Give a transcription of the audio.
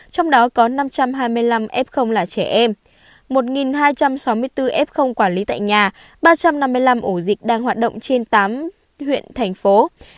trong đó có năm trăm hai mươi năm f là trẻ em một hai trăm sáu mươi bốn f quản lý tại nhà ba trăm năm mươi năm ổ dịch đang hoạt động trên tám huyện thành phố